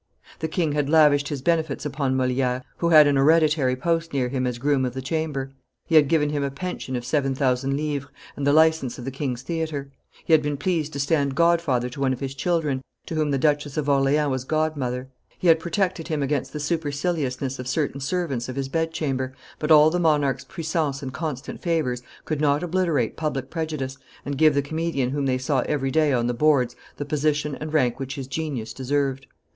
The king had lavished his benefits upon Moliere, who had an hereditary post near him as groom of the chamber; he had given him a pension of seven thousand livres, and the license of the king's theatre; he had been pleased to stand godfather to one of his children, to whom the Duchess of Orleans was godmother; he had protected him against the superciliousness of certain servants of his bedchamber, but all the monarch's puissance and constant favors could not obliterate public prejudice, and give the comedian whom they saw every day on the boards the position and rank which his genius deserved.